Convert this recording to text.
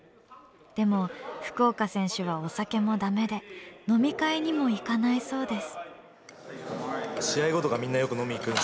でも福岡選手はお酒も駄目で飲み会にも行かないそうです。